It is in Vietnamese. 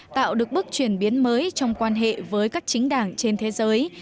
tạo được bước chuyển biến mới trong quan hệ với các chính đảng trên thế giới